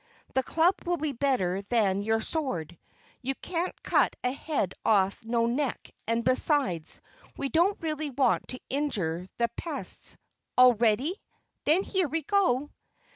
The club will be better than your sword; you can't cut a head off no neck and besides we don't really want to injure the pests. All ready? Then here we go!"